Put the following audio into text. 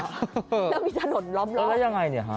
แล้วก็มีถนนล็อบเออแล้วยังไงเนี่ยฮะ